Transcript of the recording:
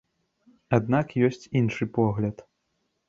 Аднак ёсць іншы погляд.